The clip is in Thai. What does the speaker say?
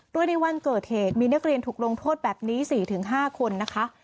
โดยในวันเกิดเหตุมีนักเรียนถูกลงโทษแบบนี้๔๕คนนะคะ